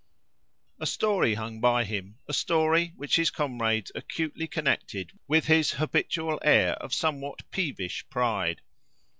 + A story hung by him, a story which his comrades acutely connected with his habitual air of somewhat peevish pride.